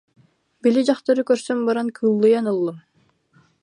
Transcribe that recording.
Били дьахтары көрсөн баран кыыллыйан ыллым